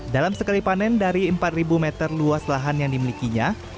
dalam sekali panen dari empat meter luas lahan yang dimilikinya